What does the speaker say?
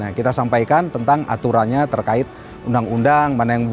ya maksud saya saya jelas ruqyah harus binak binar saya